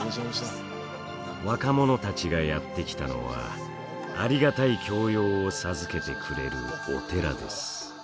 若者たちがやって来たのはありがたい教養を授けてくれるお寺です。